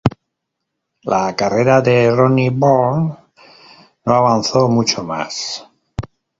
La carrera de Ronnie Burns no avanzó mucho más.